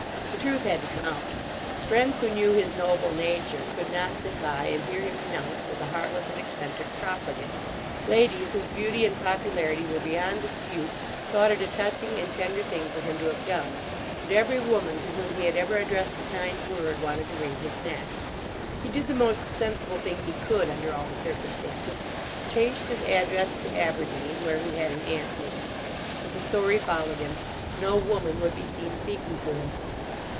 The truth had to come out. Friends who knew his noble nature could not sit by and hear him denounced as a heartless and eccentric profligate. Ladies whose beauty and popularity were beyond dispute thought it a touching and tender thing for him to have done; but every woman to whom he had ever addressed a kind word wanted to wring his neck. He did the most sensible thing he could, under all the circumstances; changed his address to Aberdeen, where he had an aunt living. But the story followed him. No woman would be seen speaking to him.